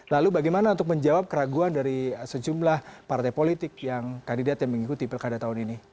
lalu bagaimana untuk menjawab keraguan dari sejumlah partai politik yang kandidat yang mengikuti pilkada tahun ini